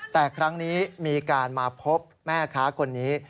แต่ครั้งนี้มีการมาพบแม่ค้าคนนี้